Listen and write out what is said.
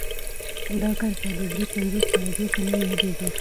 دا کرښه د دري پنځوس درجو په نوم یادیږي